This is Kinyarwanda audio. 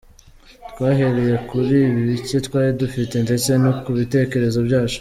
Twahereye kuri bike twari dufite ndetse no ku bitekerezo byacu.